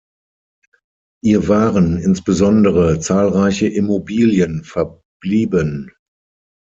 Ihr waren insbesondere zahlreiche Immobilien verblieben.